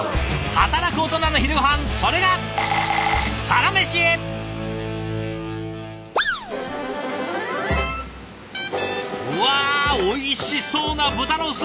働くオトナの昼ごはんそれがうわおいしそうな豚ロース！